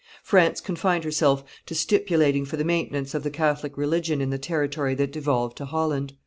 France confined herself to stipulating for the maintenance of the Catholic religion in the territory that devolved to Holland.